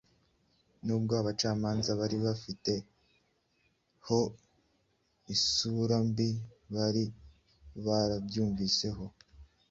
Nubwo abacamanza bari babafiteho isura mbi bari barabumviseho,